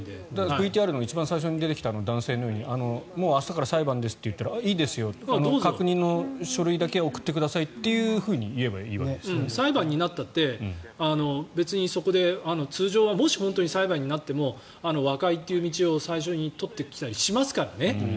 ＶＴＲの一番最初に出てきた男性のように明日から裁判ですと言われたらいいですよ、確認の書類だけ送ってくださいとだけ裁判になったって別にそこで、通常はもし本当に裁判になっても和解という道を最初に取ってきたりしますからね。